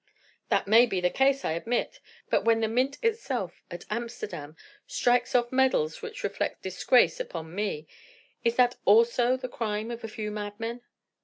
"That may be the case, I admit. But when the mint itself, at Amsterdam, strikes off medals which reflect disgrace upon me, is that also the crime of a few madmen?"